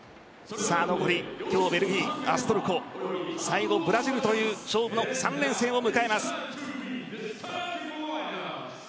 残り、今日はベルギー明日はトルコ最後ブラジルという勝負の３連戦を迎えます。